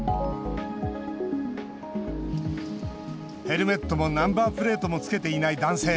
ヘルメットもナンバープレートもつけていない男性。